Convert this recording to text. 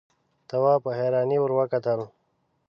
تواب په حيرانۍ ور وکتل.